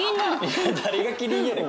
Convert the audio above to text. いや誰がキリンやねん。